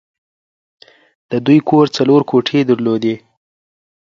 د دوی کور څلور کوټې درلودې